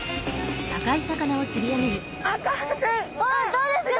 どうですか？